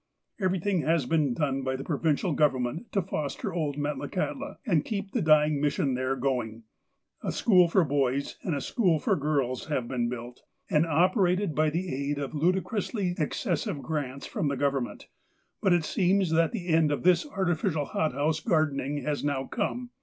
Everything has been done by the Provincial Govern ment to foster old Metlakahtla, and keep the dying mis sion there going. A school for boys, and a school for girls, have been built, and operated by the aid of ludi crously excessive grants from the Government,^ but it seems that the end of this artificial hothouse gardening has now come.